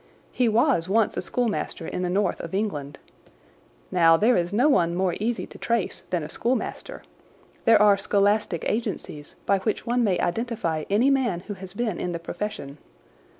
He was once a schoolmaster in the north of England. Now, there is no one more easy to trace than a schoolmaster. There are scholastic agencies by which one may identify any man who has been in the profession.